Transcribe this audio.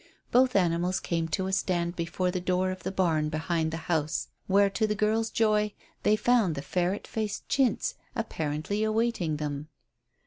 Both animals came to a stand before the door of the barn behind the house, where, to the girls' joy, they found the ferret faced Chintz apparently awaiting them.